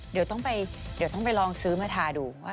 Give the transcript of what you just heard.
เดี๋ยวต้องไปลองซื้อมาทาดูว่า